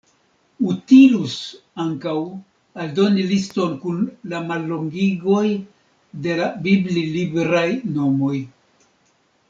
Utilus ankaŭ aldoni liston kun la mallongigoj de la bibli-libraj nomoj.